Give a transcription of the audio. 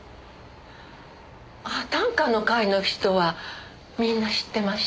短歌の会の人はみんな知ってました。